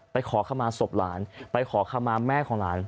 ขอขมาศพหลานไปขอคำมาแม่ของหลาน